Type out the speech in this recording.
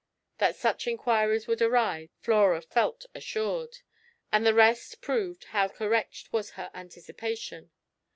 That such inquiries would arise, Flora felt assured; and the result proved how correct was her anticipation.